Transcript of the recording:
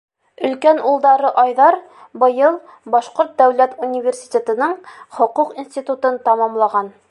Өлкән улдары Айҙар быйыл Башҡорт дәүләт университетының Хоҡуҡ институтын тамамлаған.